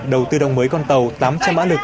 đầu tư đồng mới con tàu tám trăm linh mã lực